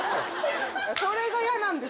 それが嫌なんです。